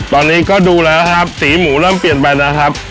ตอนนี้ก็ดูแล้วครับสีหมูเริ่มเปลี่ยนไปนะครับ